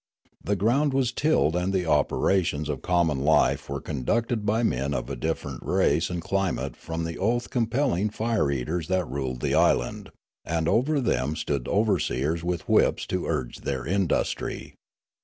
The ground was tilled and the operations of common life were conducted b}^ men of a different race and climate from the oath compelling fire eaters that ruled the island ; and over them stood overseers with whips to urge their industry.